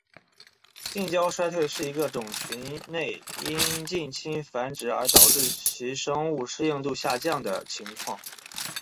近交衰退是指一个种群内因近亲繁殖而导致其生物适应度下降的情况。